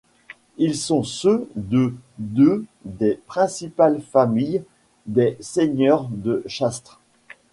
Ils sont ceux de deux des principales familles des seigneurs de Chastre.